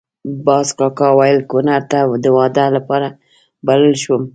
باز کاکا ویل کونړ ته د واده لپاره بلل شوی وم.